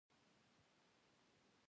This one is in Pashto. د کرکټ قواعد وخت پر وخت نوي کیږي.